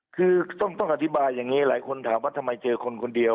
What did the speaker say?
คือต้องอธิบายอย่างนี้หลายคนถามว่าทำไมเจอคนคนเดียว